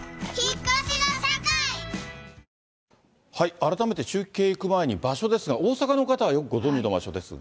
改めて中継行く前に、場所ですが、大阪の方はよくご存じの場所ですが。